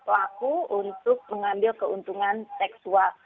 pelaku untuk mengambil keuntungan seksual